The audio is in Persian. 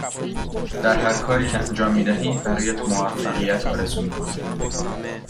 در هرکاری که انجام می دهی برایت موفقیت آرزو می کنم.